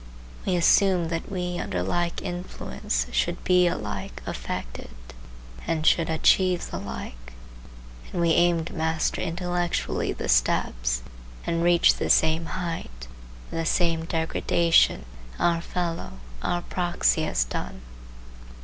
We assume that we under like influence should be alike affected, and should achieve the like; and we aim to master intellectually the steps and reach the same height or the same degradation that our fellow, our proxy has done.